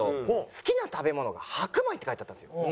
好きな食べ物が白米って書いてあったんですよ。